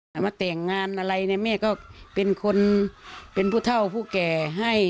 แต่มาแต่งงานอะไรเนี่ยแม่ก็เป็นคนเป็นผู้เท่าผู้แก่ให้